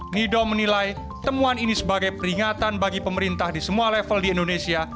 nido menilai temuan ini sebagai peringatan bagi pemerintah di semua level di indonesia